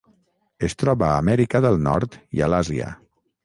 Es troba a Amèrica del Nord i a l'Àsia.